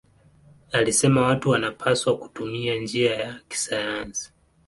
Alisema watu wanapaswa kutumia njia ya kisayansi.